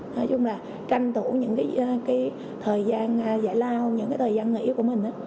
nói chung là tranh tủ những cái thời gian giải lao những cái thời gian nghỉ của mình